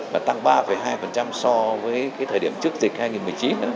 và tăng ba hai so với thời điểm trước dịch hai nghìn một mươi chín